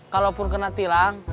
kalaupun kena tilang